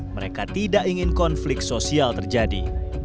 mereka tidak ingin konflik sosial terjadi